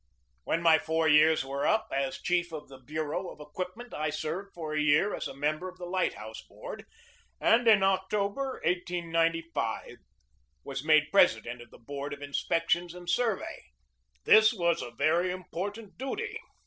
When my four years were up as chief of the bu reau of equipment I served for a year as a member of the light house board, and in October, 1895, was made president of the board of inspection and sur vey. This was a very important duty.